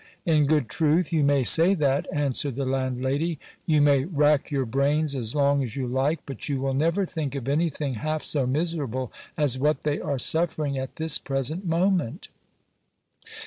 In good truth, you may say that, answered the landlady : you may rack your brains as long as you like, but you will never think of anything half so miserable as what they are suffering at this present moment.